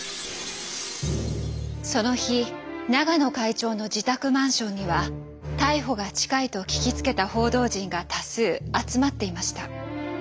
その日永野会長の自宅マンションには逮捕が近いと聞きつけた報道陣が多数集まっていました。